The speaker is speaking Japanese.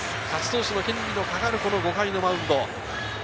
勝ち投手の権利がかかる５回のマウンド。